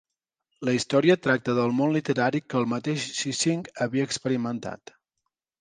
La història tracta del món literari que el mateix Gissing havia experimentat.